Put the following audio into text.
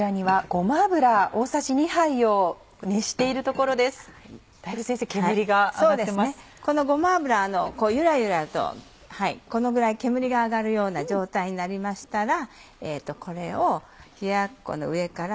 このごま油ゆらゆらとこのぐらい煙が上がるような状態になりましたらこれを冷ややっこの上から。